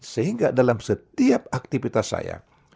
sehingga dalam setiap aktivitas saya